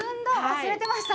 忘れてました。